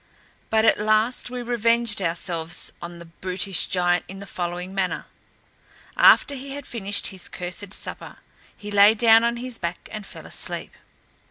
But at last we revenged ourselves on the brutish giant in the following manner. After he had finished his cursed supper, he lay down on his back, and fell asleep.